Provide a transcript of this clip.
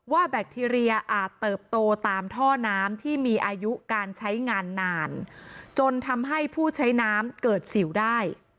แบคทีเรียอาจเติบโตตามท่อน้ำที่มีอายุการใช้งานนานจนทำให้ผู้ใช้น้ำเกิดสิวได้